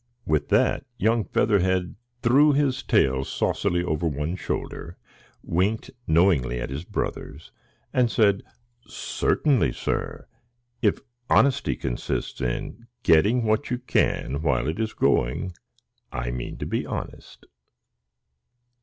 With that, young Featherhead threw his tail saucily over one shoulder, winked knowingly at his brothers, and said, "Certainly, sir! If honesty consists in getting what you can while it is going, I mean to be honest."